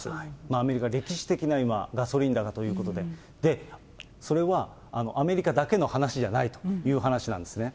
アメリカ、歴史的な今、ガソリン高ということで、それはアメリカだけの話じゃないという話なんですね。